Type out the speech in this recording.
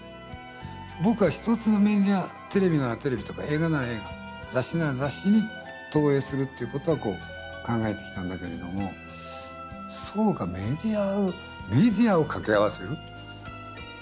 僕は一つのメディアテレビならテレビとか映画なら映画雑誌なら雑誌に投影するっていうことはこう考えてきたんだけれどもそうかメディア。